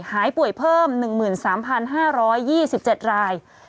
หายป่วยเพิ่ม๑๓๕๒๗ราย